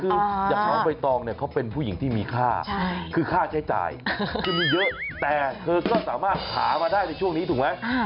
คืออย่างน้องใบตองเนี่ยเขาเป็นผู้หญิงที่มีค่าคือค่าใช้จ่ายคือมีเยอะแต่เธอก็สามารถหามาได้ในช่วงนี้ถูกไหม